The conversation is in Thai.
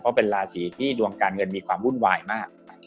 เพราะเป็นราศีที่ดวงการเงินมีความวุ่นวายมาก